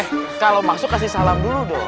eh kalau masuk kasih salam dulu dong